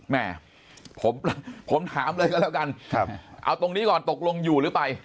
แม่ผมถามเลยก็แล้วกันเอาตรงนี้ก่อนตกลงอยู่หรือไป